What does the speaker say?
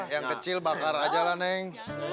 yang kecil bakar aja lah neng